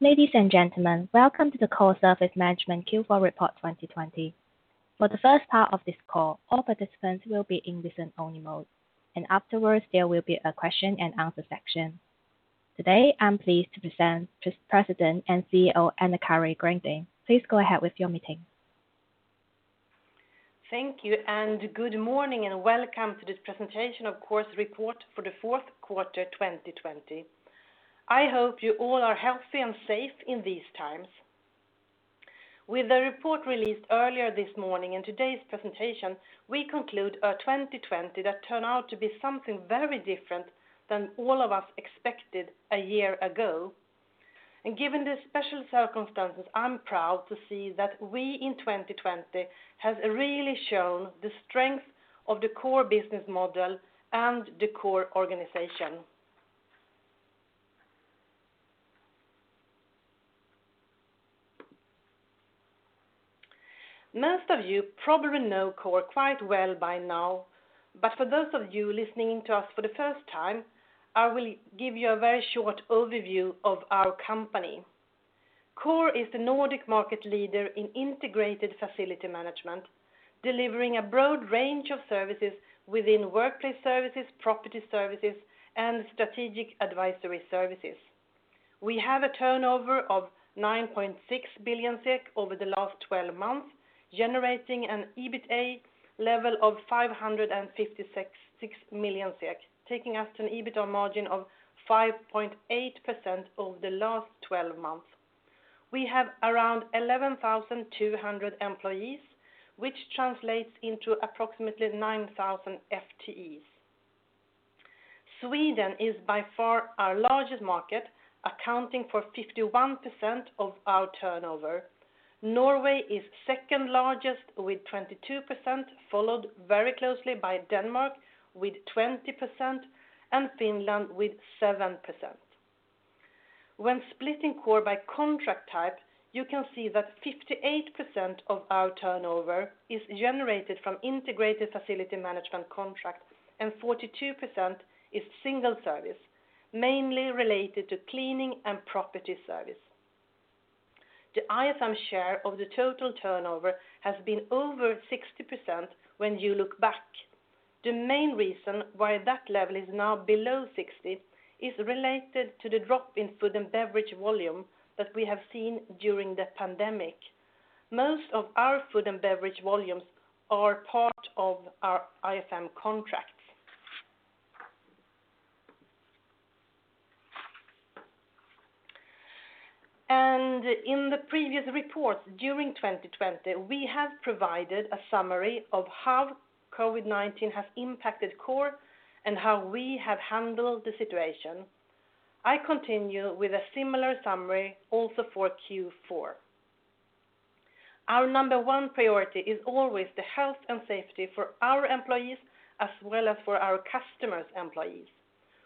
Ladies and gentlemen, welcome to the Coor Service Management Q4 Report 2020. For the first part of this call, all participants will be in listen-only mode. Afterwards there will be a question and answer section. Today, I am pleased to present President and CEO AnnaCarin Grandin. Please go ahead with your meeting. Thank you, good morning and welcome to this presentation of Coor's report for the fourth quarter 2020. I hope you all are healthy and safe in these times. With the report released earlier this morning and today's presentation, we conclude our 2020 that turned out to be something very different than all of us expected a year ago. Given the special circumstances, I'm proud to see that we, in 2020, have really shown the strength of the Coor business model and the Coor organization. Most of you probably know Coor quite well by now, but for those of you listening to us for the first time, I will give you a very short overview of our company. Coor is the Nordic market leader in integrated facility management, delivering a broad range of services within workplace services, property services, and strategic advisory services. We have a turnover of 9.6 billion SEK over the last 12 months, generating an EBITA level of 556 million SEK, taking us to an EBITDA margin of 5.8% over the last 12 months. We have around 11,200 employees, which translates into approximately 9,000 FTEs. Sweden is by far our largest market, accounting for 51% of our turnover. Norway is second largest with 22%, followed very closely by Denmark with 20%, and Finland with 7%. When splitting Coor by contract type, you can see that 58% of our turnover is generated from integrated facility management contracts and 42% is single service, mainly related to cleaning and property service. The IFM share of the total turnover has been over 60% when you look back. The main reason why that level is now below 60 is related to the drop in food and beverage volume that we have seen during the pandemic. Most of our food and beverage volumes are part of our IFM contracts. In the previous reports during 2020, we have provided a summary of how COVID-19 has impacted Coor and how we have handled the situation. I continue with a similar summary also for Q4. Our number one priority is always the health and safety for our employees as well as for our customers' employees.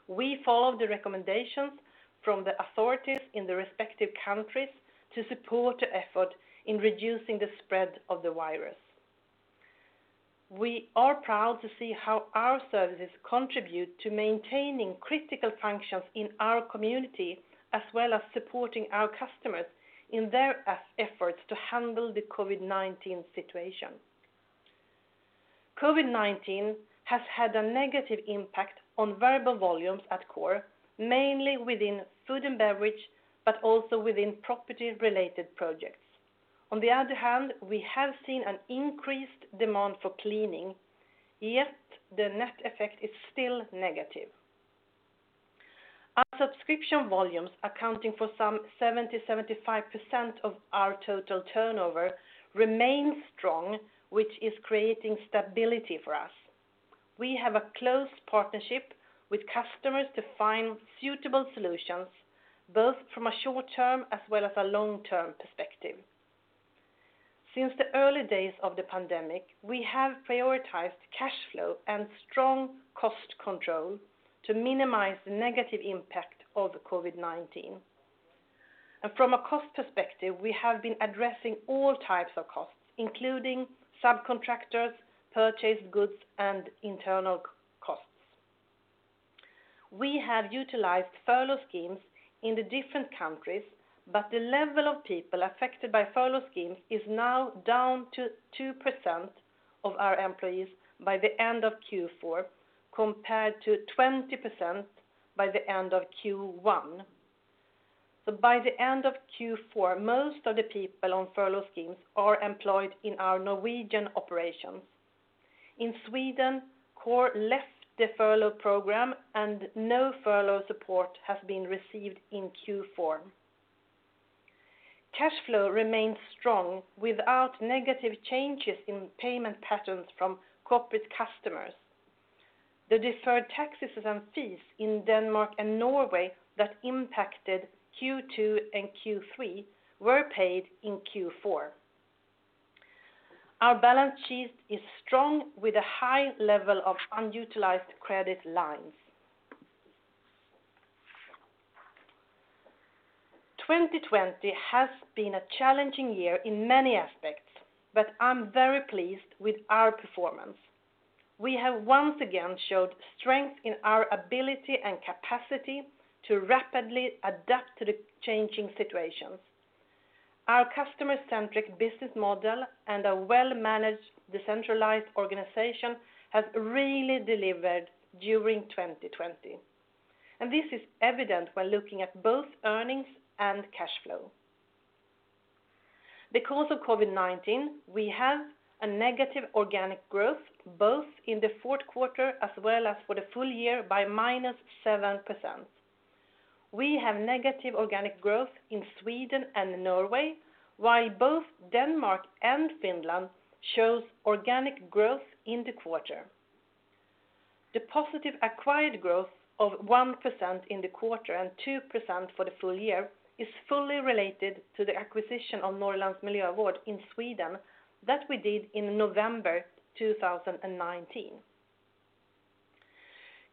We follow the recommendations from the authorities in the respective countries to support the effort in reducing the spread of the virus. We are proud to see how our services contribute to maintaining critical functions in our community as well as supporting our customers in their efforts to handle the COVID-19 situation. COVID-19 has had a negative impact on variable volumes at Coor, mainly within food and beverage, but also within property-related projects. On the other hand, we have seen an increased demand for cleaning, yet the net effect is still negative. Our subscription volumes, accounting for some 70%, 75% of our total turnover, remain strong, which is creating stability for us. We have a close partnership with customers to find suitable solutions, both from a short-term as well as a long-term perspective. Since the early days of the pandemic, we have prioritized cash flow and strong cost control to minimize the negative impact of COVID-19. From a cost perspective, we have been addressing all types of costs, including subcontractors, purchased goods, and internal costs. We have utilized furlough schemes in the different countries, the level of people affected by furlough schemes is now down to 2% of our employees by the end of Q4, compared to 20% by the end of Q1. By the end of Q4, most of the people on furlough schemes are employed in our Norwegian operations. In Sweden, Coor left the furlough program and no furlough support has been received in Q4. Cash flow remains strong without negative changes in payment patterns from corporate customers. The deferred taxes and fees in Denmark and Norway that impacted Q2 and Q3 were paid in Q4. Our balance sheet is strong with a high level of unutilized credit lines. 2020 has been a challenging year in many aspects, but I'm very pleased with our performance. We have once again showed strength in our ability and capacity to rapidly adapt to the changing situations. Our customer-centric business model and a well-managed decentralized organization has really delivered during 2020. This is evident when looking at both earnings and cash flow. Because of COVID-19, we have a negative organic growth, both in the fourth quarter as well as for the full year by -7%. We have negative organic growth in Sweden and Norway, while both Denmark and Finland shows organic growth in the quarter. The positive acquired growth of 1% in the quarter and 2% for the full year is fully related to the acquisition of Norrlands Miljövård in Sweden that we did in November 2019.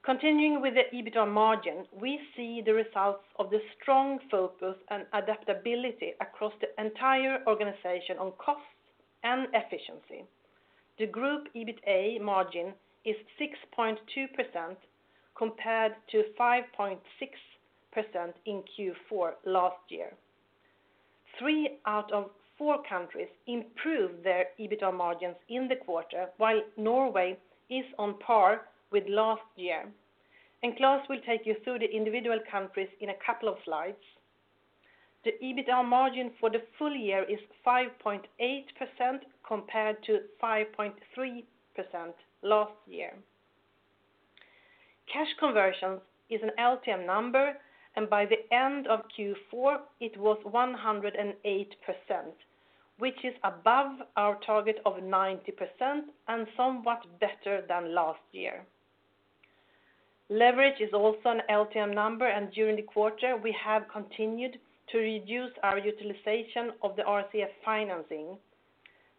Continuing with the EBITDA margin, we see the results of the strong focus and adaptability across the entire organization on costs and efficiency. The group EBITA margin is 6.2% compared to 5.6% in Q4 last year. Three out of four countries improved their EBITDA margins in the quarter while Norway is on par with last year. Klas will take you through the individual countries in a couple of slides. The EBITDA margin for the full year is 5.8% compared to 5.3% last year. Cash conversion is an LTM number, and by the end of Q4, it was 108%, which is above our target of 90% and somewhat better than last year. Leverage is also an LTM number, and during the quarter, we have continued to reduce our utilization of the RCF financing.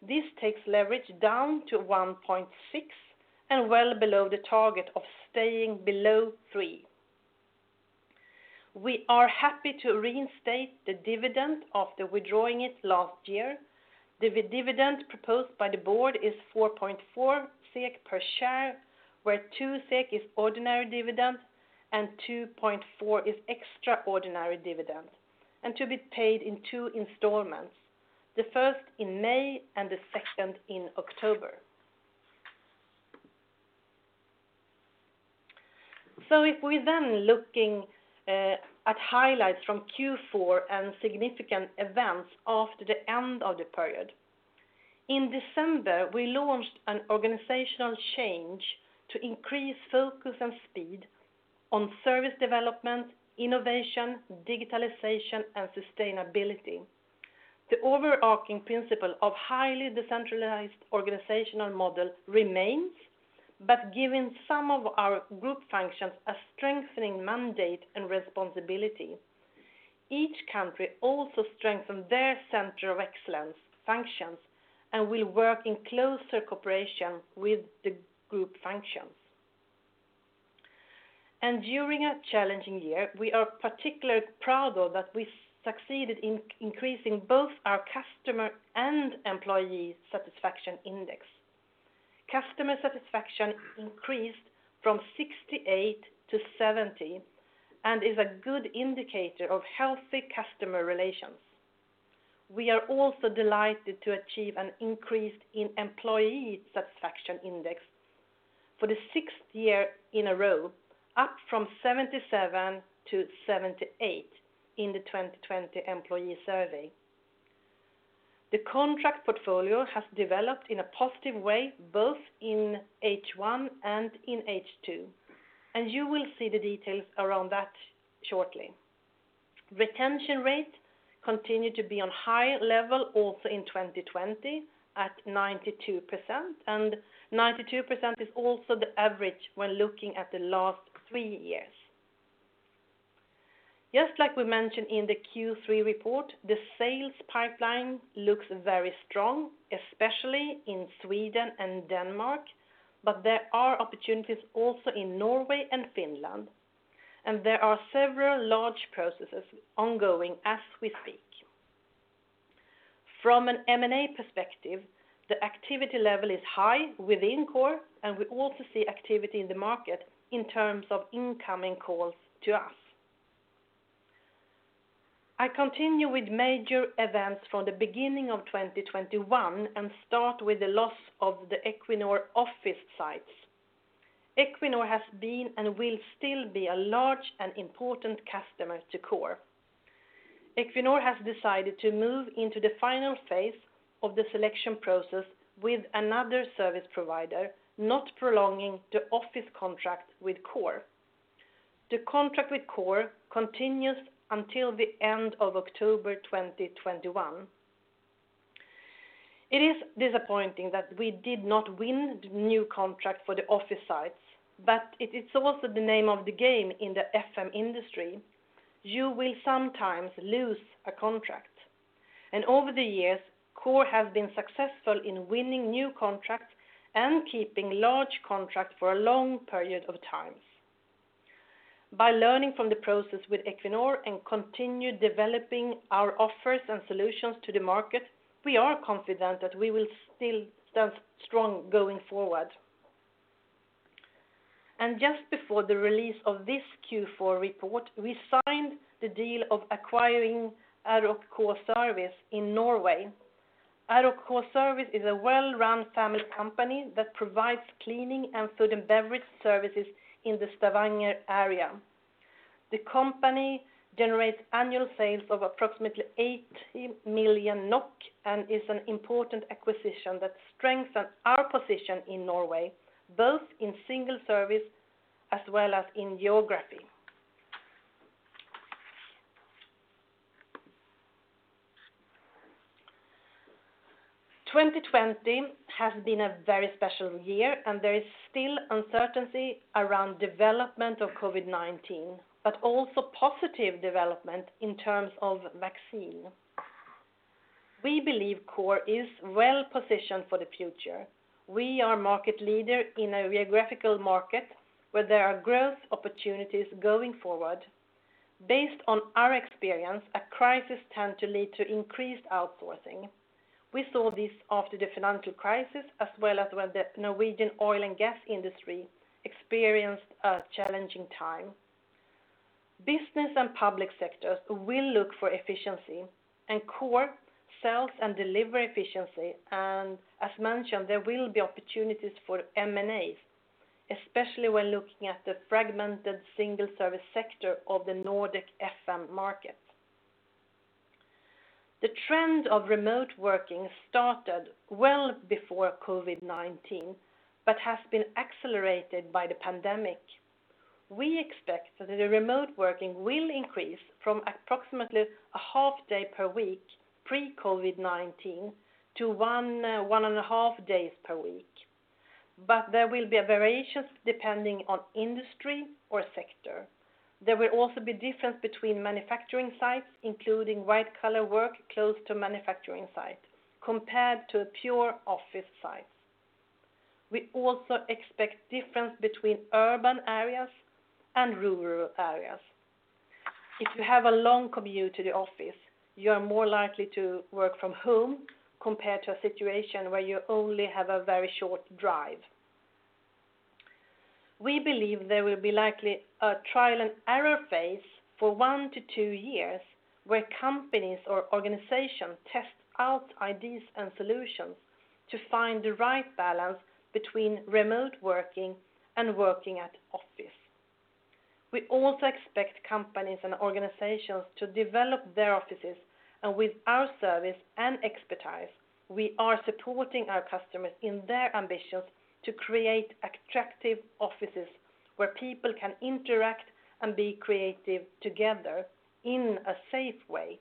This takes leverage down to 1.6 and well below the target of staying below three. We are happy to reinstate the dividend after withdrawing it last year. The dividend proposed by the board is 4.4 SEK per share, where 2 SEK is ordinary dividend and 2.4 is extraordinary dividend, and to be paid in two installments, the first in May and the second in October. If we then looking at highlights from Q4 and significant events after the end of the period. In December, we launched an organizational change to increase focus and speed on service development, innovation, digitalization, and sustainability. The overarching principle of highly decentralized organizational model remains, but giving some of our group functions a strengthening mandate and responsibility. Each country also strengthened their center of excellence functions and will work in closer cooperation with the group functions. During a challenging year, we are particularly proud of that we succeeded in increasing both our customer and employee satisfaction index. Customer satisfaction increased from 68-70 and is a good indicator of healthy customer relations. We are also delighted to achieve an increase in employee satisfaction index for the sixth year in a row, up from 77-78 in the 2020 employee survey. The contract portfolio has developed in a positive way, both in H1 and in H2, and you will see the details around that shortly. Retention rate continued to be on high level also in 2020 at 92%, and 92% is also the average when looking at the last three years. Just like we mentioned in the Q3 report, the sales pipeline looks very strong, especially in Sweden and Denmark, but there are opportunities also in Norway and Finland, and there are several large processes ongoing as we speak. From an M&A perspective, the activity level is high within Coor, and we also see activity in the market in terms of incoming calls to us. I continue with major events for the beginning of 2021 and start with the loss of the Equinor office sites. Equinor has been and will still be a large and important customer to Coor. Equinor has decided to move into the final phase of the selection process with another service provider, not prolonging the office contract with Coor. The contract with Coor continues until the end of October 2021. It is disappointing that we did not win the new contract for the office sites, but it is also the name of the game in the FM industry. You will sometimes lose a contract, and over the years, Coor has been successful in winning new contracts and keeping large contracts for a long period of time. By learning from the process with Equinor and continue developing our offers and solutions to the market, we are confident that we will still stand strong going forward. Just before the release of this Q4 report, we signed the deal of acquiring R & K Service in Norway. R & K Service is a well-run family company that provides cleaning and food and beverage services in the Stavanger area. The company generates annual sales of approximately 80 million NOK and is an important acquisition that strengthens our position in Norway, both in single service as well as in geography. 2020 has been a very special year, and there is still uncertainty around development of COVID-19, but also positive development in terms of vaccine. We believe Coor is well-positioned for the future. We are market leader in a geographical market where there are growth opportunities going forward. Based on our experience, a crisis tends to lead to increased outsourcing. We saw this after the financial crisis, as well as when the Norwegian oil and gas industry experienced a challenging time. Business and public sectors will look for efficiency, and Coor sells and deliver efficiency, and as mentioned, there will be opportunities for M&As, especially when looking at the fragmented single service sector of the Nordic FM market. The trend of remote working started well before COVID-19, but has been accelerated by the pandemic. We expect that the remote working will increase from approximately a half-day per week pre-COVID-19 to one and a half days per week. There will be variations depending on industry or sector. There will also be difference between manufacturing sites, including white-collar work close to manufacturing site, compared to pure office sites. We also expect difference between urban areas and rural areas. If you have a long commute to the office, you are more likely to work from home compared to a situation where you only have a very short drive. We believe there will be likely a trial and error phase for one to two years, where companies or organizations test out ideas and solutions to find the right balance between remote working and working at office. We also expect companies and organizations to develop their offices, and with our service and expertise, we are supporting our customers in their ambitions to create attractive offices where people can interact and be creative together in a safe way.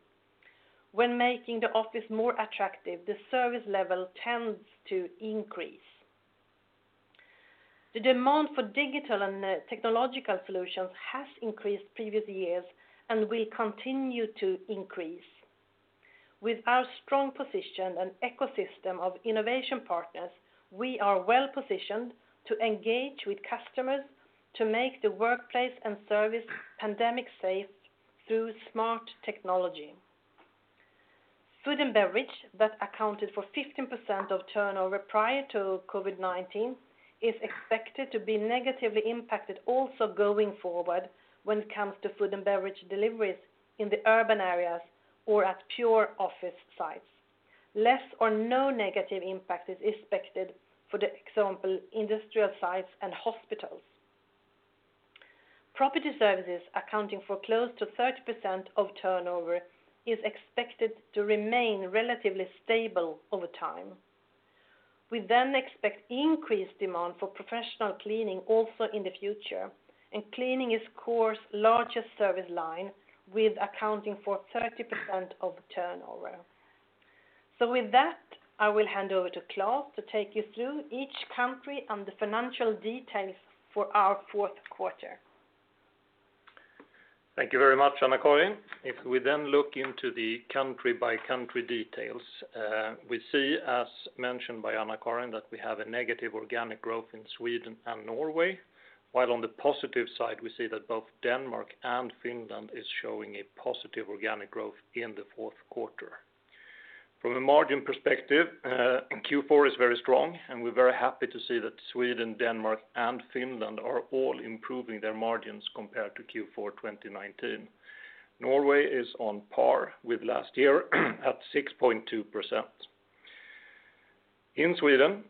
When making the office more attractive, the service level tends to increase. The demand for digital and technological solutions has increased previous years and will continue to increase. With our strong position and ecosystem of innovation partners, we are well-positioned to engage with customers to make the workplace and service pandemic safe through smart technology. Food and beverage, that accounted for 15% of turnover prior to COVID-19, is expected to be negatively impacted also going forward when it comes to food and beverage deliveries in the urban areas or at pure office sites. Less or no negative impact is expected, for example, industrial sites and hospitals. Property services, accounting for close to 30% of turnover, is expected to remain relatively stable over time. We expect increased demand for professional cleaning also in the future, and cleaning is Coor's largest service line, with accounting for 30% of turnover. With that, I will hand over to Klas to take you through each country and the financial details for our fourth quarter. Thank you very much, AnnaCarin. If we look into the country-by-country details, we see, as mentioned by AnnaCarin, that we have a negative organic growth in Sweden and Norway, while on the positive side, we see that both Denmark and Finland is showing a positive organic growth in the fourth quarter. From a margin perspective, Q4 is very strong, and we're very happy to see that Sweden, Denmark, and Finland are all improving their margins compared to Q4 2019. Norway is on par with last year at 6.2%. In Sweden,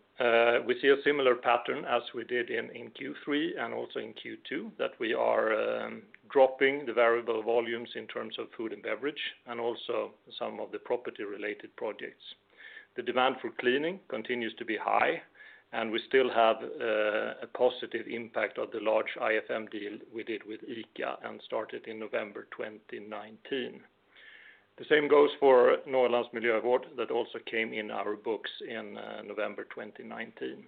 we see a similar pattern as we did in Q3 and also in Q2, that we are dropping the variable volumes in terms of food and beverage, and also some of the property-related projects. The demand for cleaning continues to be high, and we still have a positive impact of the large IFM deal we did with ICA and started in November 2019. The same goes for Norrlands Miljövård that also came in our books in November 2019.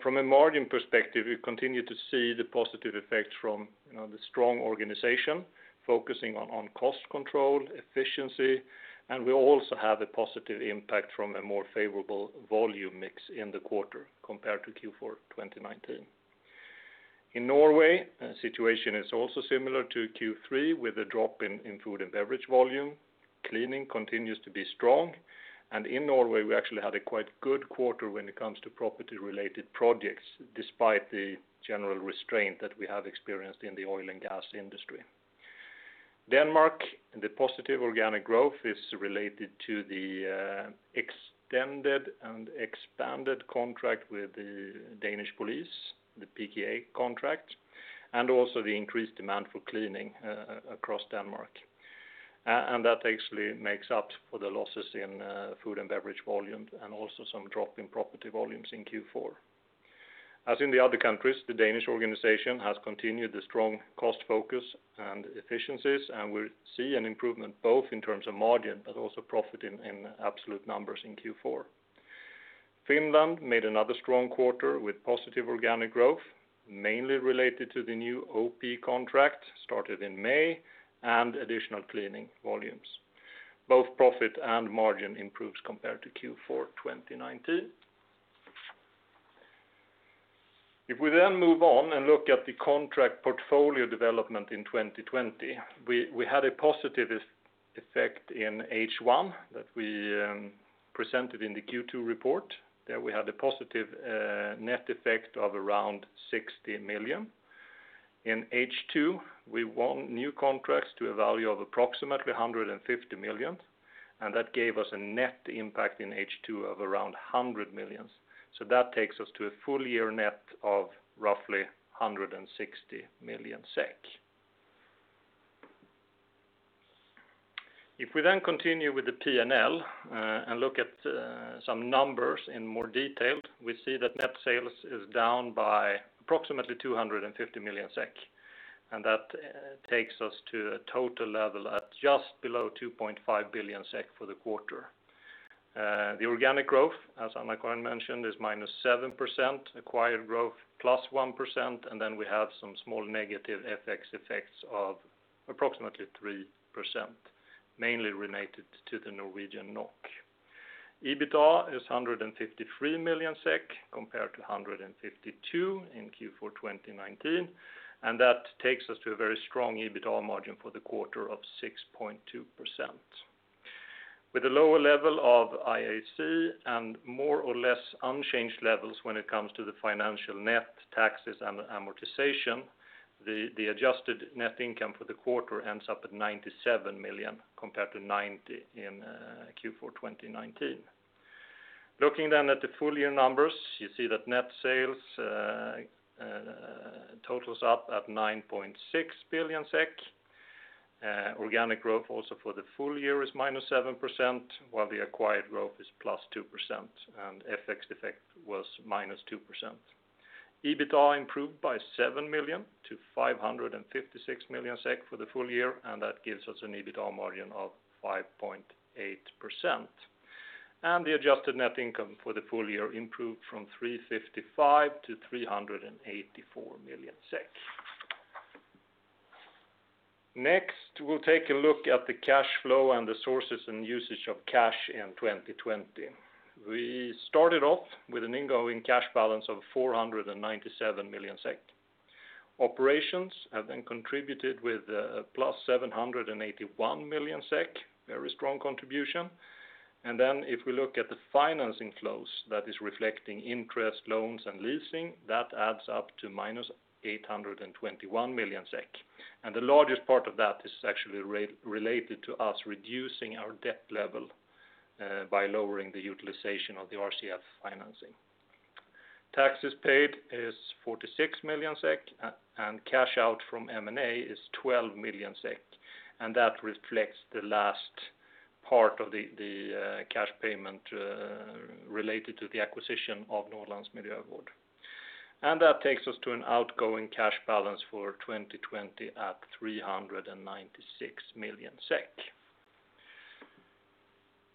From a margin perspective, we continue to see the positive effects from the strong organization focusing on cost control, efficiency, and we also have a positive impact from a more favorable volume mix in the quarter compared to Q4 2019. In Norway, the situation is also similar to Q3 with a drop in food and beverage volume. Cleaning continues to be strong. In Norway, we actually had a quite good quarter when it comes to property-related projects, despite the general restraint that we have experienced in the oil and gas industry. Denmark, the positive organic growth is related to the extended and expanded contract with the Danish Police, the PGA contract, and also the increased demand for cleaning across Denmark. That actually makes up for the losses in food and beverage volume, and also some drop in property volumes in Q4. As in the other countries, the Danish organization has continued the strong cost focus and efficiencies, and we see an improvement both in terms of margin, but also profit in absolute numbers in Q4. Finland made another strong quarter with positive organic growth, mainly related to the new OP contract started in May and additional cleaning volumes. Both profit and margin improves compared to Q4 2019. If we then move on and look at the contract portfolio development in 2020, we had a positive effect in H1 that we presented in the Q2 report, that we had a positive net effect of around 60 million. In H2, we won new contracts to a value of approximately 150 million, and that gave us a net impact in H2 of around 100 million. That takes us to a full year net of roughly 160 million SEK. If we then continue with the P&L and look at some numbers in more detail, we see that net sales is down by approximately 250 million SEK, and that takes us to a total level at just below 2.5 billion SEK for the quarter. The organic growth, as AnnaCarin mentioned, is -7%, acquired growth +1%, and then we have some small negative FX effects of approximately 3%, mainly related to the Norwegian NOK. EBITDA is 153 million SEK compared to 152 in Q4 2019, and that takes us to a very strong EBITDA margin for the quarter of 6.2%. With a lower level of IAC and more or less unchanged levels when it comes to the financial net taxes and amortization, the adjusted net income for the quarter ends up at 97 million compared to 90 in Q4 2019. Looking then at the full year numbers, you see that net sales totals up at 9.6 billion SEK. Organic growth also for the full year is -7%, while the acquired growth is +2% and FX effect was -2%. EBITDA improved by 7 million-556 million SEK for the full year. That gives us an EBITDA margin of 5.8%. The adjusted net income for the full year improved from 355 million-384 million SEK. We'll take a look at the cash flow and the sources and usage of cash in 2020. We started off with an ingoing cash balance of 497 million SEK. Operations have contributed with a +781 million SEK, very strong contribution. If we look at the financing flows that is reflecting interest loans and leasing, that adds up to -821 million SEK. The largest part of that is actually related to us reducing our debt level by lowering the utilization of the RCF financing. Taxes paid is 46 million SEK and cash out from M&A is 12 million SEK. That reflects the last part of the cash payment related to the acquisition of Norrlands Miljövård. That takes us to an outgoing cash balance for 2020 at 396 million SEK.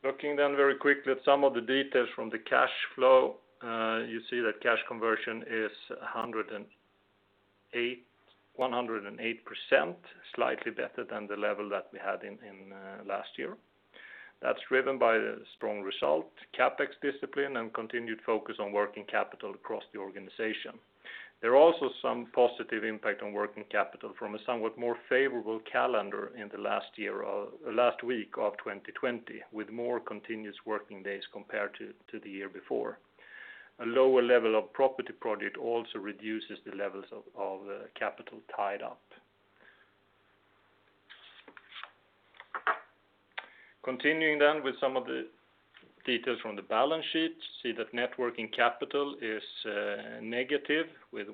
Looking very quickly at some of the details from the cash flow. You see that cash conversion is 108%, slightly better than the level that we had in last year. That's driven by the strong result, CapEx discipline, and continued focus on working capital across the organization. There are also some positive impact on working capital from a somewhat more favorable calendar in the last week of 2020, with more continuous working days compared to the year before. A lower level of property project also reduces the levels of capital tied up. Continuing with some of the details from the balance sheet. See that net working capital is negative with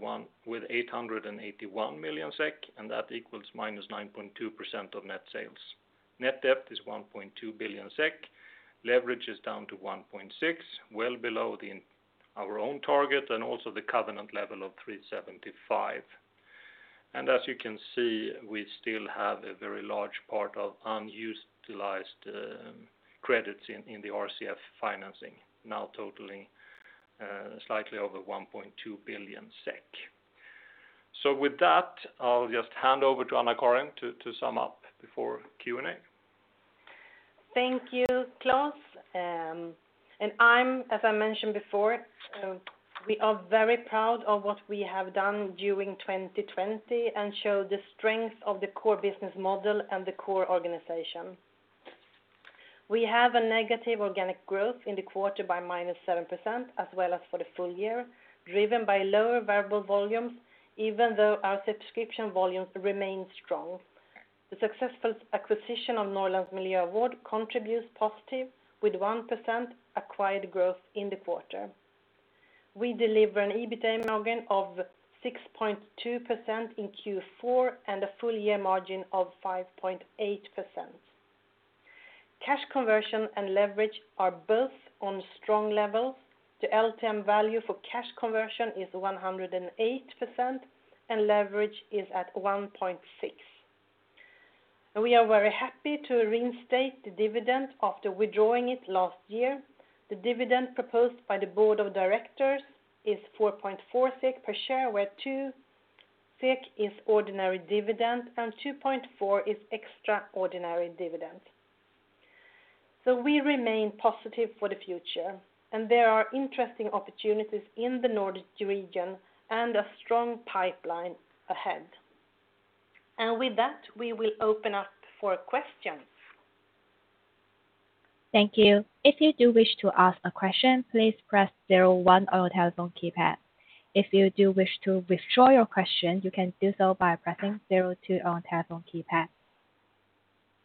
881 million SEK, and that equals minus 9.2% of net sales. Net debt is 1.2 billion SEK. Leverage is down to 1.6, well below our own target and also the covenant level of 375. As you can see, we still have a very large part of unutilized credits in the RCF financing, now totaling slightly over 1.2 billion SEK. With that, I'll just hand over to AnnaCarin to sum up before Q&A. Thank you, Klas. As I mentioned before, we are very proud of what we have done during 2020 and show the strength of the Coor business model and the Coor organization. We have a negative organic growth in the quarter by -7%, as well as for the full year, driven by lower variable volumes, even though our subscription volumes remain strong. The successful acquisition of Norrlands Miljövård contributes positive with 1% acquired growth in the quarter. We deliver an EBITA margin of 6.2% in Q4 and a full-year margin of 5.8%. Cash conversion and leverage are both on strong levels. The LTM value for cash conversion is 108%, and leverage is at 1.6. We are very happy to reinstate the dividend after withdrawing it last year. The dividend proposed by the board of directors is 4.4 SEK per share, where 2 SEK is ordinary dividend and 2.4 SEK is extraordinary dividend. We remain positive for the future, and there are interesting opportunities in the Nordic region and a strong pipeline ahead. With that, we will open up for questions. Thank you. If you do wish to ask a question, please press zero one on your telephone keypad. If you do wish to withdraw your question, you can do so by pressing zero two on your telephone keypad.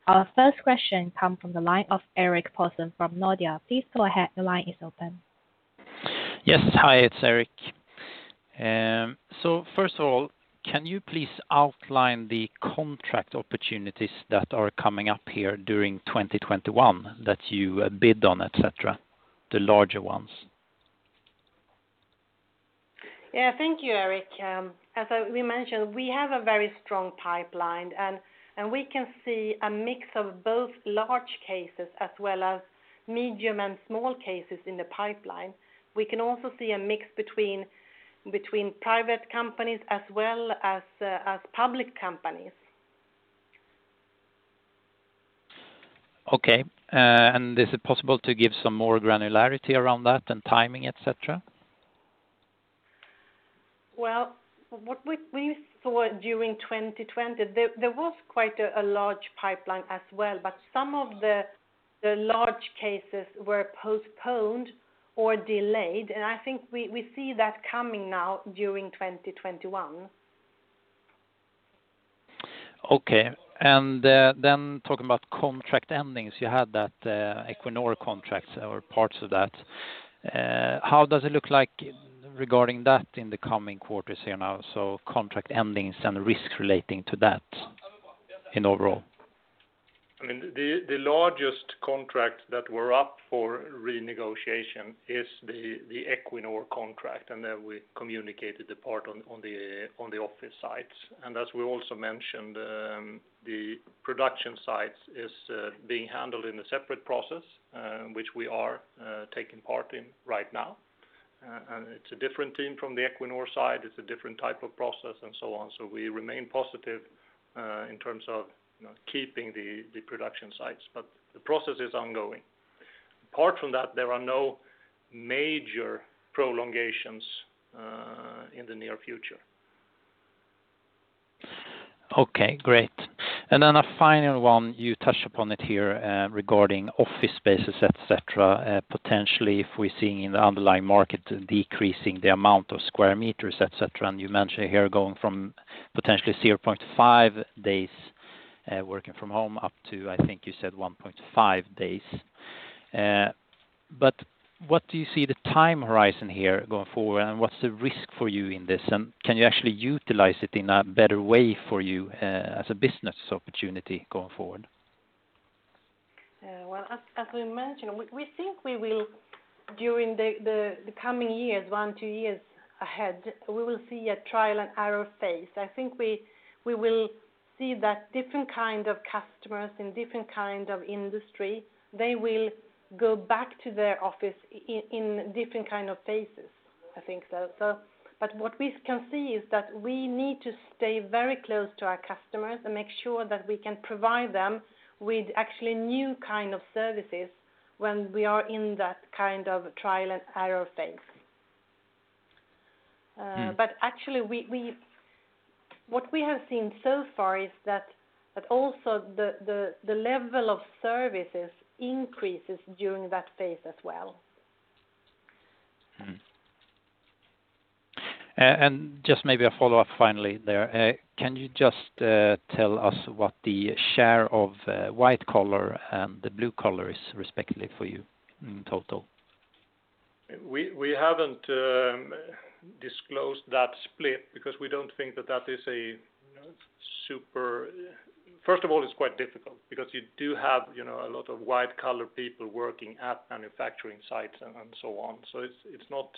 Our first question comes from the line of Erik Pedersen from Nordea. Please go ahead. The line is open. Yes. Hi, it's Erik. First of all, can you please outline the contract opportunities that are coming up here during 2021 that you bid on, et cetera, the larger ones? Yeah, thank you, Erik. As we mentioned, we have a very strong pipeline, and we can see a mix of both large cases as well as medium and small cases in the pipeline. We can also see a mix between private companies as well as public companies. Okay. Is it possible to give some more granularity around that and timing, et cetera? Well, what we saw during 2020, there was quite a large pipeline as well, but some of the large cases were postponed or delayed, and I think we see that coming now during 2021. Okay. Talking about contract endings, you had that Equinor contracts or parts of that. How does it look like regarding that in the coming quarters here now? Contract endings and risks relating to that in overall. The largest contract that we're up for renegotiation is the Equinor contract. We communicated the part on the office sites. As we also mentioned, the production sites is being handled in a separate process, which we are taking part in right now. It's a different team from the Equinor side. It's a different type of process and so on. We remain positive in terms of keeping the production sites. The process is ongoing. Apart from that, there are no major prolongations in the near future. Okay, great. A final one, you touched upon it here regarding office spaces, et cetera, potentially if we're seeing in the underlying market decreasing the amount of square meters, et cetera. You mentioned here going from potentially 0.5 days working from home up to, I think you said 1.5 days. What do you see the time horizon here going forward? What's the risk for you in this? Can you actually utilize it in a better way for you as a business opportunity going forward? Well, as we mentioned, we think during the coming years, one, two years ahead, we will see a trial and error phase. I think we will see that different kinds of customers in different kinds of industry, they will go back to their office in different phases. I think so. What we can see is that we need to stay very close to our customers and make sure that we can provide them with actually new kind of services when we are in that trial and error phase. Actually what we have seen so far is that also the level of services increases during that phase as well. Just maybe a follow-up finally there. Can you just tell us what the share of white collar and the blue collar is respectively for you in total? We haven't disclosed that split because we don't think that that is, first of all, quite difficult because you do have a lot of white collar people working at manufacturing sites and so on. It's not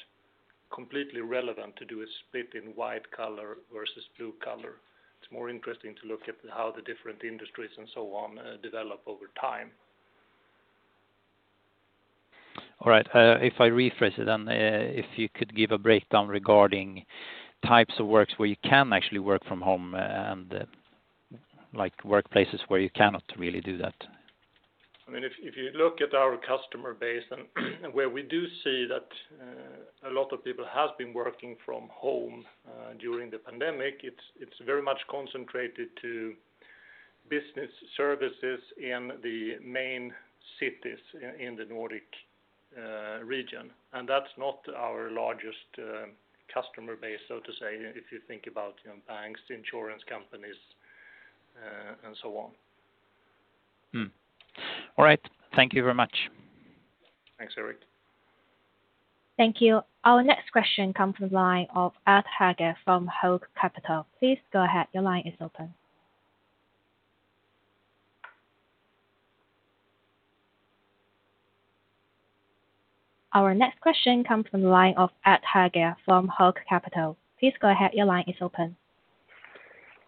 completely relevant to do a split in white collar versus blue collar. It's more interesting to look at how the different industries and so on develop over time. All right. If I rephrase it then, if you could give a breakdown regarding types of works where you can actually work from home and workplaces where you cannot really do that. If you look at our customer base and where we do see that a lot of people have been working from home during the pandemic, it's very much concentrated to business services in the main cities in the Nordic region. That's not our largest customer base, so to say, if you think about banks, insurance companies, and so on. All right. Thank you very much. Thanks, Erik. Thank you. Our next question comes from the line of Art Hager from Haug Capital. Please go ahead. Your line is open.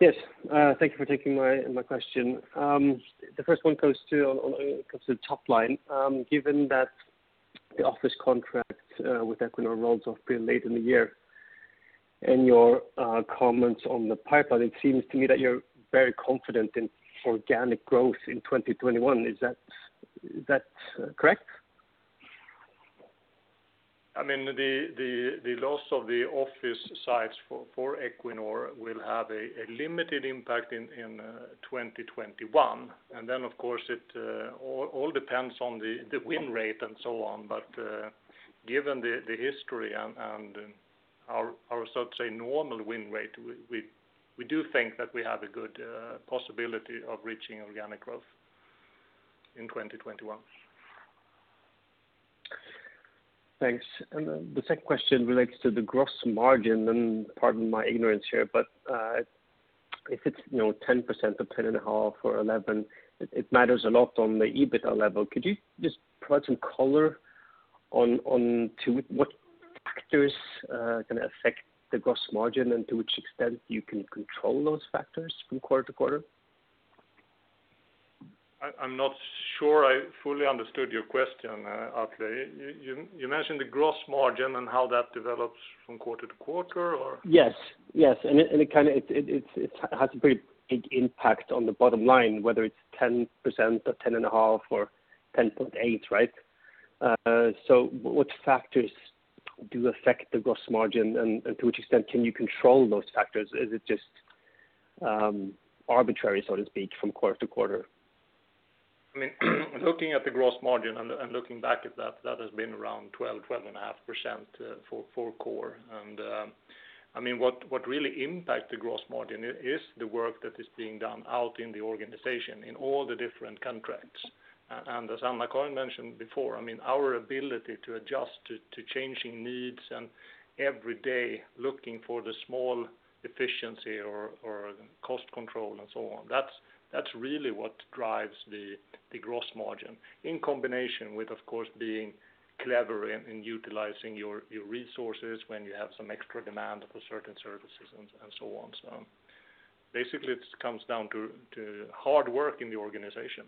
Yes. Thank you for taking my question. The first one comes to the top line. Given that the office contract with Equinor runs off pretty late in the year and your comments on the pipeline, it seems to me that you are very confident in organic growth in 2021. Is that correct? The loss of the office sites for Equinor will have a limited impact in 2021. Then, of course, it all depends on the win rate and so on. Given the history and our normal win rate, we do think that we have a good possibility of reaching organic growth in 2021. Thanks. The second question relates to the gross margin, and pardon my ignorance here, but if it's 10% to 10.5% or 11%, it matters a lot on the EBITDA level. Could you just provide some color on to what factors are going to affect the gross margin and to which extent you can control those factors from quarter-to-quarter? I'm not sure I fully understood your question, Art. You mentioned the gross margin and how that develops from quarter-to-quarter, or? Yes. It has a pretty big impact on the bottom line, whether it's 10% or 10.5% or 10.8%, right? What factors do affect the gross margin, and to which extent can you control those factors? Is it just arbitrary, so to speak, from quarter-to-quarter? Looking at the gross margin and looking back at that has been around 12.5% for Coor. What really impact the gross margin is the work that is being done out in the organization in all the different contracts. As AnnaCarin mentioned before, our ability to adjust to changing needs and every day looking for the small efficiency or cost control and so on, that's really what drives the gross margin, in combination with, of course, being clever in utilizing your resources when you have some extra demand for certain services and so on. Basically, it comes down to hard work in the organization.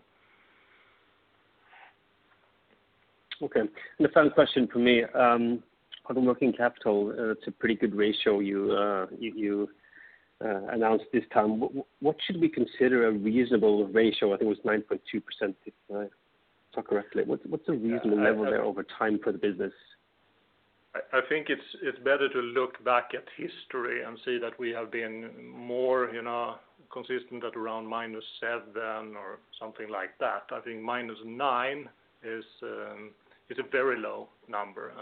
Okay. The final question from me. On the working capital, it's a pretty good ratio you announced this time. What should we consider a reasonable ratio? I think it was 9.2%, if I talk correctly. What's a reasonable level there over time for the business? I think it's better to look back at history and see that we have been more consistent at around -7 or something like that. I think -9 is a very low number.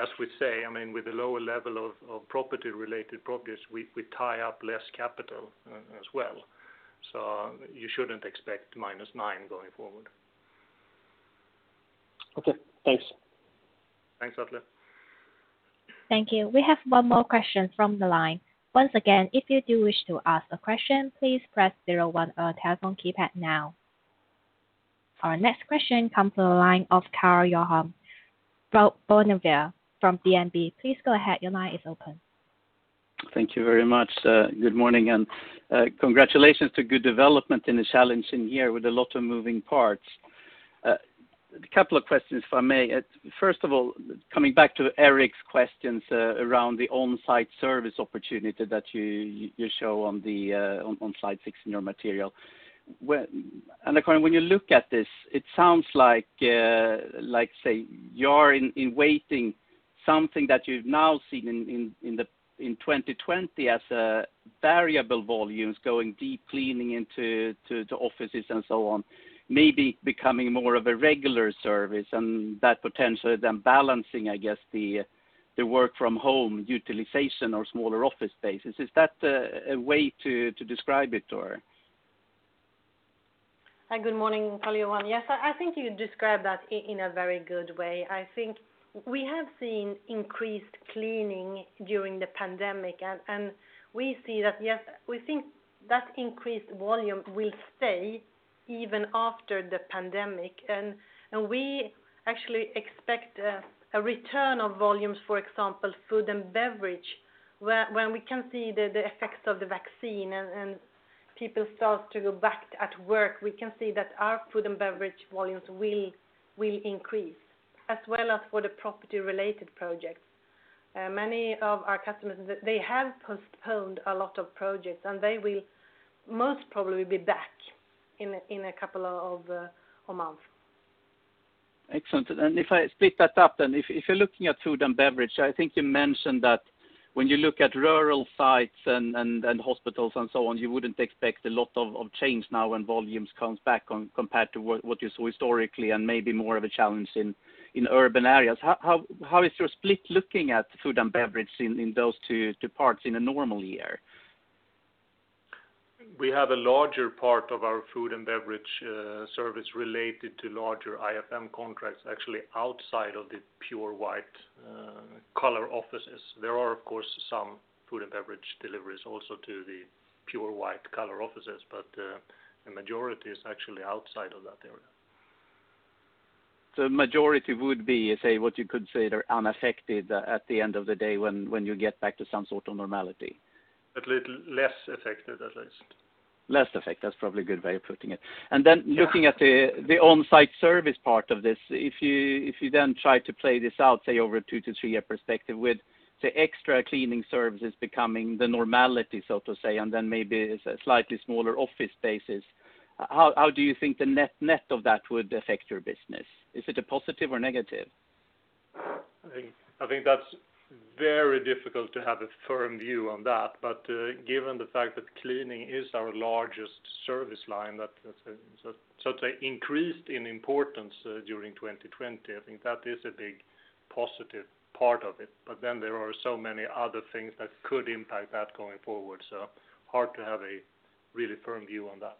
As we say, with the lower level of property-related progress, we tie up less capital as well. You shouldn't expect -9 going forward. Okay, thanks. Thanks, Art. Thank you. We have one more question from the line. Once again, if you do wish to ask a question, please press zero one on the telephone keypad now. Our next question comes from the line of Karl-Johan Bonnevier from DNB. Please go ahead. Thank you very much. Good morning, congratulations to good development in a challenging year with a lot of moving parts. A couple of questions, if I may. First of all, coming back to Erik's questions around the on-site service opportunity that you show on slide 16 your material. AnnaCarin, when you look at this, it sounds like, say, you're in waiting something that you've now seen in 2020 as a variable volumes going deep cleaning into offices and so on, maybe becoming more of a regular service and that potentially then balancing, I guess, the work from home utilization or smaller office spaces. Is that a way to describe it, or? Hi, good morning, Karl-Johan. Yes, I think you described that in a very good way. I think we have seen increased cleaning during the pandemic, and we think that increased volume will stay even after the pandemic. We actually expect a return of volumes, for example, food and beverage, when we can see the effects of the vaccine and people start to go back at work, we can see that our food and beverage volumes will increase, as well as for the property-related projects. Many of our customers have postponed a lot of projects, and they will most probably be back in a couple of months. Excellent. If I split that up, if you're looking at food and beverage, I think you mentioned that when you look at rural sites and hospitals and so on, you wouldn't expect a lot of change now when volumes come back compared to what you saw historically, and maybe more of a challenge in urban areas. How is your split looking at food and beverage in those two parts in a normal year? We have a larger part of our food and beverage service related to larger IFM contracts, actually outside of the pure white collar offices. There are, of course, some food and beverage deliveries also to the pure white collar offices, but the majority is actually outside of that area. Majority would be, what you could say, they're unaffected at the end of the day when you get back to some sort of normality. A little less affected, at least. Less affected. That's probably a good way of putting it. Looking at the on-site service part of this, if you then try to play this out, say, over a two-three-year perspective with the extra cleaning services becoming the normality, so to say, and then maybe slightly smaller office spaces, how do you think the net-net of that would affect your business? Is it a positive or negative? I think that's very difficult to have a firm view on that. Given the fact that cleaning is our largest service line, that increased in importance during 2020, I think that is a big positive part of it. There are so many other things that could impact that going forward. Hard to have a really firm view on that.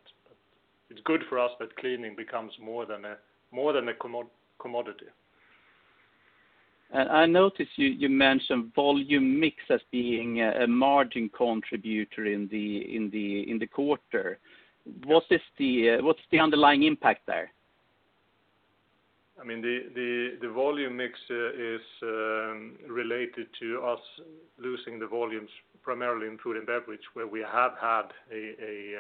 It's good for us that cleaning becomes more than a commodity. I notice you mentioned volume mix as being a margin contributor in the quarter. What's the underlying impact there? The volume mix is related to us losing the volumes primarily in food and beverage, where we have had a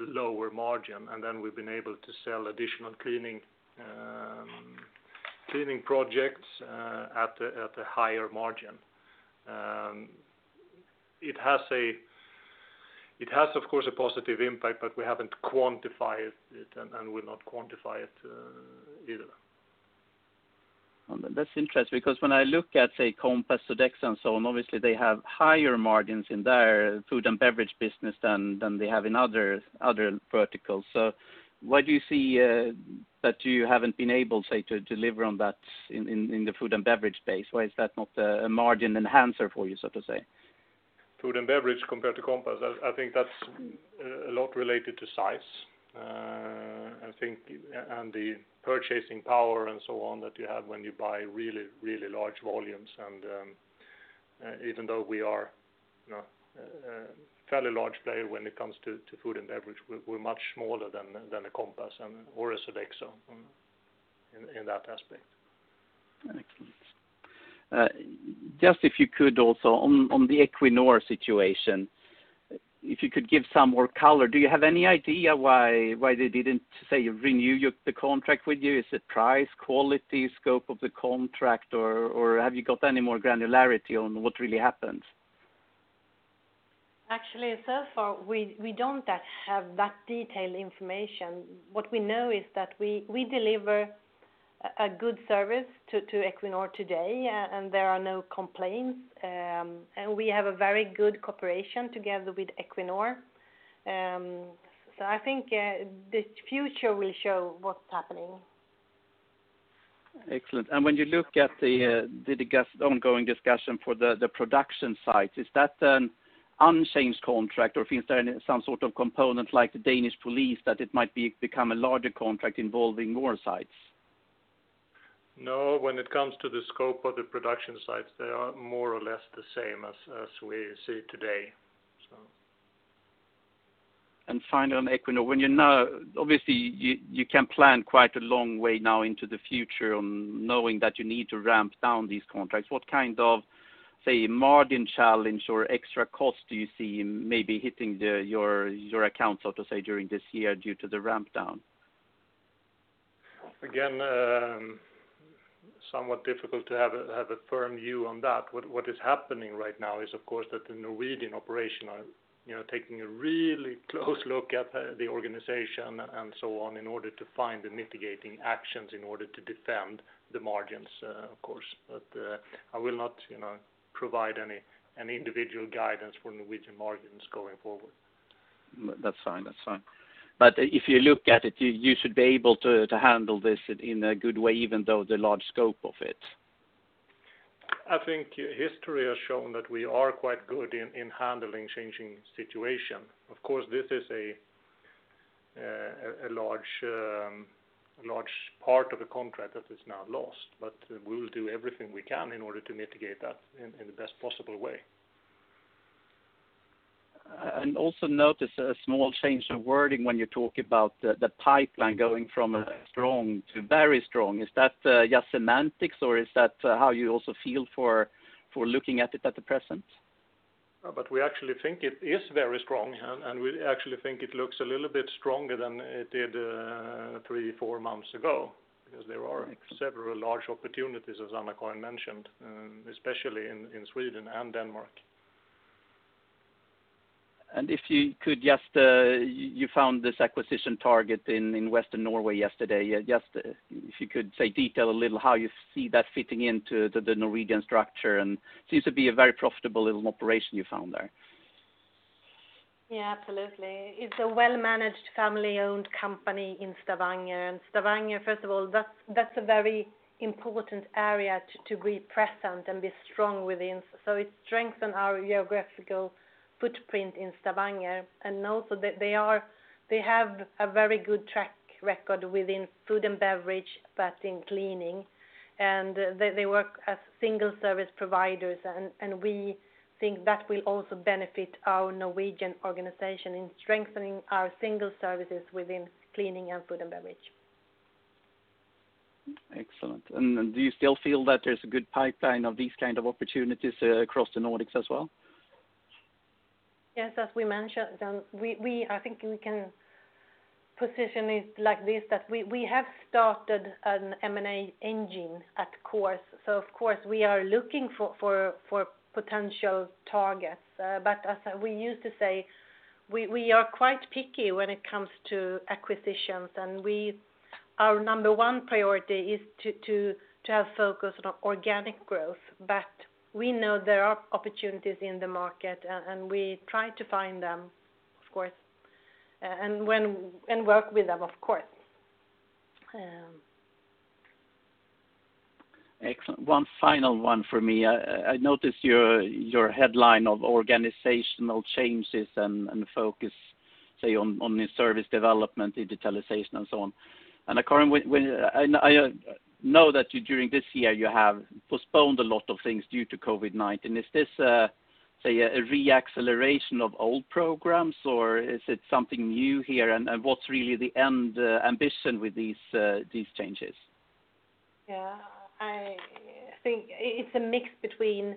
lower margin, and then we've been able to sell additional cleaning projects at a higher margin. It has, of course, a positive impact, but we haven't quantified it and will not quantify it either. That's interesting, because when I look at, say, Compass, Sodexo, and so on, obviously they have higher margins in their food and beverage business than they have in other verticals. Why do you see that you haven't been able, say, to deliver on that in the food and beverage space? Why is that not a margin enhancer for you, so to say? Food and beverage compared to Compass, I think that's a lot related to size. I think the purchasing power and so on that you have when you buy really large volumes, and even though we are a fairly large player when it comes to food and beverage, we're much smaller than a Compass or a Sodexo in that aspect. Just if you could also, on the Equinor situation, if you could give some more color. Do you have any idea why they didn't, say, renew the contract with you? Is it price, quality, scope of the contract, or have you got any more granularity on what really happened? Actually, so far, we don't have that detailed information. What we know is that we deliver a good service to Equinor today, and there are no complaints. We have a very good cooperation together with Equinor. I think the future will show what's happening. Excellent. When you look at the ongoing discussion for the production sites, is that an unchanged contract, or is there some sort of component like the Danish police that it might become a larger contract involving more sites? No, when it comes to the scope of the production sites, they are more or less the same as we see today. Finally, on Equinor. Obviously you can plan quite a long way now into the future knowing that you need to ramp down these contracts. What kind of, say, margin challenge or extra cost do you see maybe hitting your accounts, so to say, during this year due to the ramp down? Again, somewhat difficult to have a firm view on that. What is happening right now is, of course, that the Norwegian operation are taking a really close look at the organization and so on in order to find the mitigating actions in order to defend the margins, of course. But I will not provide any individual guidance for Norwegian margins going forward. That's fine. If you look at it, you should be able to handle this in a good way, even though the large scope of it. I think history has shown that we are quite good in handling changing situations. Of course, this is a large part of the contract that is now lost, but we will do everything we can in order to mitigate that in the best possible way. Also notice a small change of wording when you talk about the pipeline going from strong to very strong. Is that just semantics, or is that how you also feel for looking at it at the present? We actually think it is very strong, and we actually think it looks a little bit stronger than it did three, four months ago because there are several large opportunities, as AnnaCarin mentioned, especially in Sweden and Denmark. You found this acquisition target in Western Norway yesterday. If you could detail a little how you see that fitting into the Norwegian structure, and it seems to be a very profitable little operation you found there. Yeah, absolutely. It's a well-managed family-owned company in Stavanger. Stavanger, first of all, that's a very important area to be present and be strong within. It strengthened our geographical footprint in Stavanger, and also they have a very good track record within food and beverage, but in cleaning. They work as single service providers, and we think that will also benefit our Norwegian organization in strengthening our single services within cleaning and food and beverage. Excellent. Do you still feel that there's a good pipeline of these kinds of opportunities across the Nordics as well? Yes, as we mentioned, I think we can position it like this, that we have started an M&A engine at Coor. Of course, we are looking for potential targets. As we used to say, we are quite picky when it comes to acquisitions. Our number one priority is to have focus on organic growth. We know there are opportunities in the market, and we try to find them, and work with them, of course. Excellent. One final one for me. I noticed your headline of organizational changes and focus on new service development, digitalization, and so on. AnnaCarin, I know that during this year, you have postponed a lot of things due to COVID-19. Is this a re-acceleration of old programs, or is it something new here, and what's really the end ambition with these changes? I think it's a mix between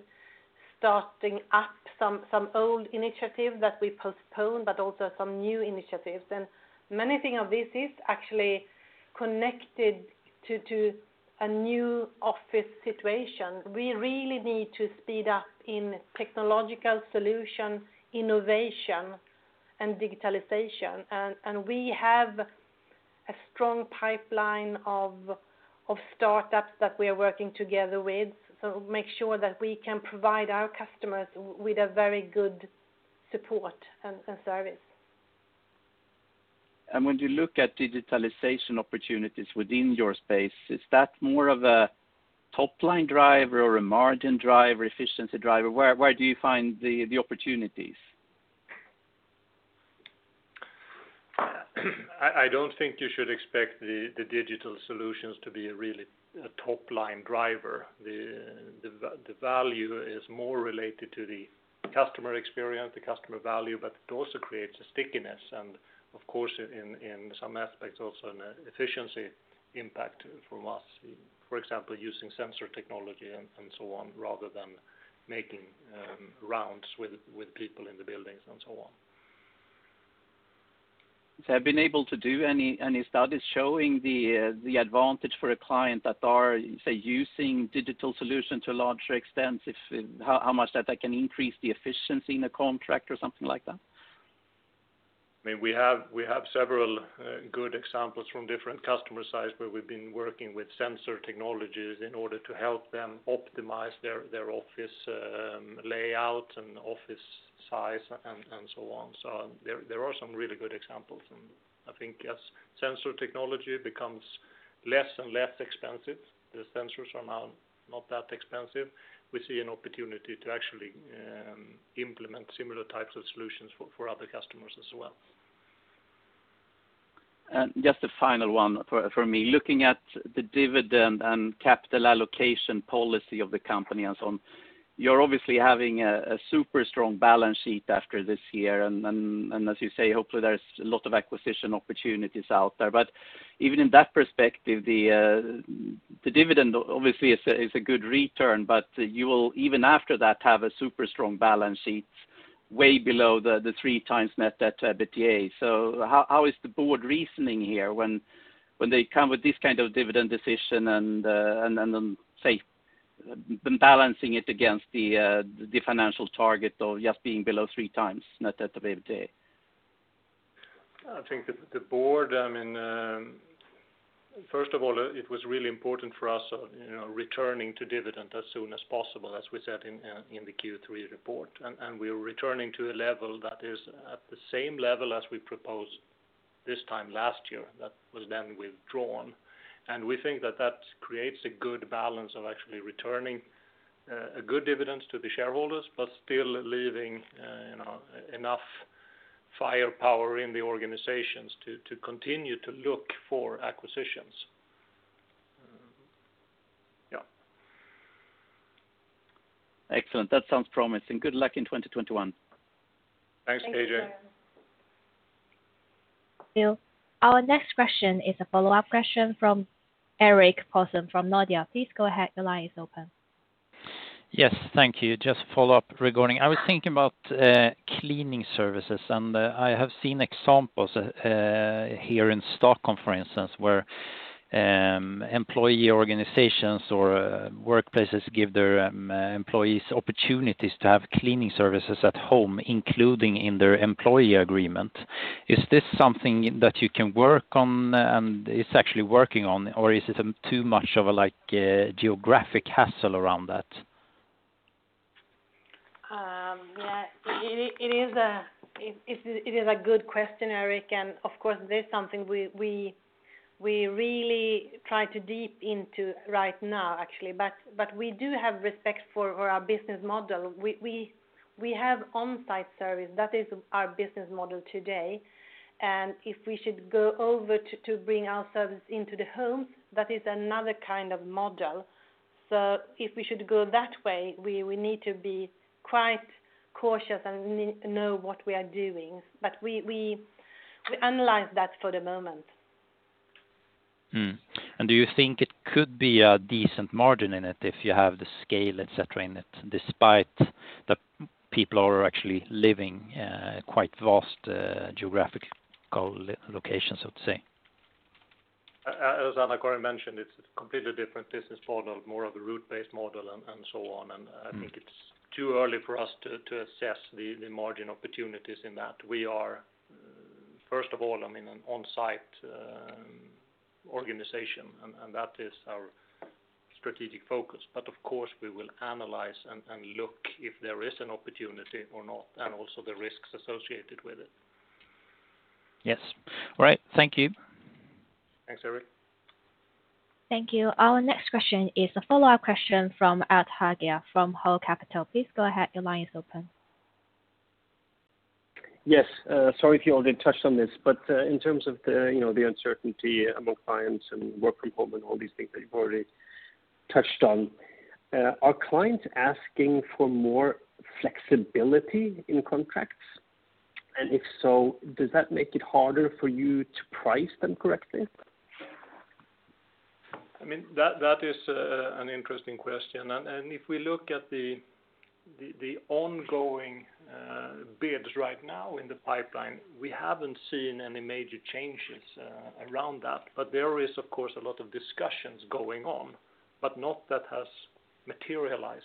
starting up some old initiatives that we postponed, but also some new initiatives. Many thing of this is actually connected to a new office situation. We really need to speed up in technological solution, innovation, and digitalization. We have a strong pipeline of startups that we are working together with. Make sure that we can provide our customers with a very good support and service. When you look at digitalization opportunities within your space, is that more of a top-line driver or a margin driver, efficiency driver? Where do you find the opportunities? I don't think you should expect the digital solutions to be really a top-line driver. The value is more related to the customer experience, the customer value, but it also creates a stickiness, and of course, in some aspects, also an efficiency impact from us. For example, using sensor technology and so on, rather than making rounds with people in the buildings and so on. Have you been able to do any studies showing the advantage for a client that are, say, using digital solution to a larger extent? How much that can increase the efficiency in a contract or something like that? We have several good examples from different customer sites where we've been working with sensor technologies in order to help them optimize their office layout and office size and so on. There are some really good examples, and I think as sensor technology becomes less and less expensive, the sensors are now not that expensive. We see an opportunity to actually implement similar types of solutions for other customers as well. Just the final one for me. Looking at the dividend and capital allocation policy of the company and so on, you're obviously having a super strong balance sheet after this year. As you say, hopefully, there's a lot of acquisition opportunities out there. Even in that perspective, the dividend obviously is a good return, but you will, even after that, have a super strong balance sheet way below the 3x net debt to EBITDA. How is the board reasoning here when they come with this kind of dividend decision and say, balancing it against the financial target of just being below three times net debt to EBITDA? I think the board, first of all, it was really important for us returning to dividend as soon as possible, as we said in the Q3 report. We are returning to a level that is at the same level as we proposed this time last year, that was then withdrawn. We think that creates a good balance of actually returning a good dividend to the shareholders, but still leaving enough firepower in the organizations to continue to look for acquisitions. Yeah. Excellent. That sounds promising. Good luck in 2021. Thanks, KJ. Thank you. Our next question is a follow-up question from Erik Pedersen from Nordea. Please go ahead. Yes, thank you. Just a follow-up regarding, I was thinking about cleaning services, and I have seen examples here in Stockholm, for instance, where employee organizations or workplaces give their employees opportunities to have cleaning services at home, including in their employee agreement. Is this something that you can work on and is actually working on, or is it too much of a geographic hassle around that? Yeah. It is a good question, Erik, and of course, this is something we really try to deep into right now, actually. We do have respect for our business model. We have on-site service. That is our business model today, and if we should go over to bring our service into the homes, that is another kind of model. If we should go that way, we need to be quite cautious and know what we are doing. We analyze that for the moment. Do you think it could be a decent margin in it if you have the scale, et cetera, in it, despite the people are actually living quite vast geographical locations, I would say? As AnnaCarin mentioned, it's a completely different business model, more of a route-based model and so on. I think it's too early for us to assess the margin opportunities in that. We are, first of all, an on-site organization, and that is our strategic focus. Of course, we will analyze and look if there is an opportunity or not, and also the risks associated with it. Yes. All right. Thank you. Thanks, Erik. Thank you. Our next question is a follow-up question from Art Hager from Haug Capital. Please go ahead. Your line is open. Yes. Sorry if you already touched on this, in terms of the uncertainty among clients and work from home and all these things that you've already touched on, are clients asking for more flexibility in contracts? If so, does that make it harder for you to price them correctly? That is an interesting question. If we look at the ongoing bids right now in the pipeline, we haven't seen any major changes around that. There is, of course, a lot of discussions going on, but not that has materialized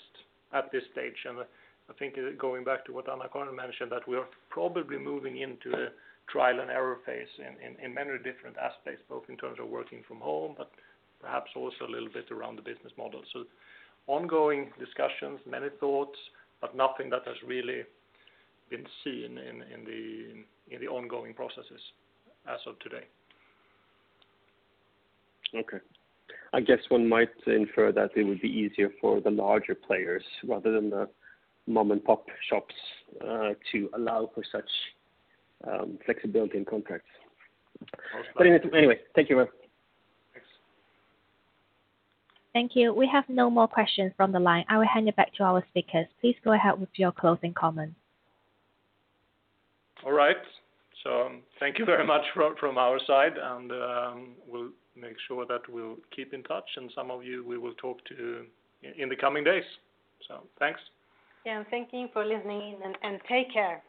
at this stage. I think going back to what AnnaCarin mentioned, that we are probably moving into a trial-and-error phase in many different aspects, both in terms of working from home, but perhaps also a little bit around the business model. Ongoing discussions, many thoughts, but nothing that has really been seen in the ongoing processes as of today. Okay. I guess one might infer that it would be easier for the larger players, rather than the mom-and-pop shops to allow for such flexibility in contracts. Anyway, thank you. Thanks. Thank you. We have no more questions from the line. I will hand it back to our speakers. Please go ahead with your closing comments. All right. Thank you very much from our side, and we'll make sure that we'll keep in touch, and some of you we will talk to in the coming days. Thanks. Yeah. Thank you for listening in, and take care.